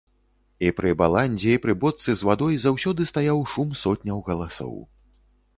І пры баландзе і пры бочцы з вадой заўсёды стаяў шум сотняў галасоў.